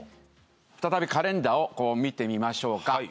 再びカレンダーを見てみましょうか。